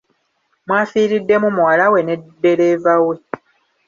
Mwafiiriddemu muwala we ne ddereeva we.